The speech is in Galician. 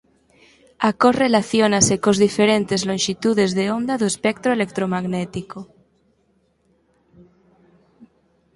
A cor relaciónase cos diferentes lonxitudes de onda do espectro electromagnético.